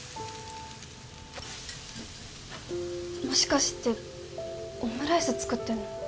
もしかしてオムライス作ってんの？